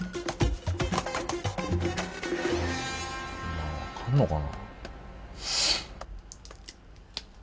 これ分かんのかな。